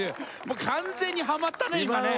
完全にハマったね今ね。